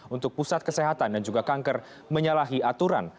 untuk pusat kesehatan dan juga kanker menyalahi aturan